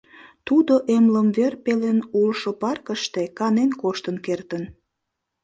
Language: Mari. Тудо эмлымвер пелен улшо паркыште канен коштын кертын.